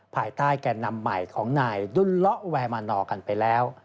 ภายใต้แก่นำใหม่ของไหนดูดเหลาะแวมหานอกันไปแล้ว